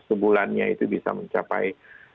sebulannya itu bisa mencapai